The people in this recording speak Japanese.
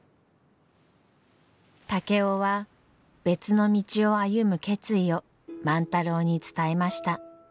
竹雄は別の道を歩む決意を万太郎に伝えました。